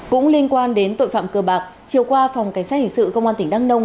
cũng liên quan đến tội phạm cơ bạc chiều qua phòng cảnh sát hình sự công an tỉnh đắk nông